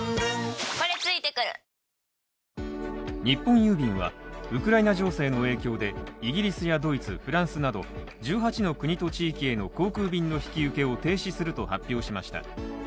日本郵便はウクライナ情勢の影響でイギリスやドイツ、フランスなど１８の国と地域への航空便の引き受けを停止すると発表しました。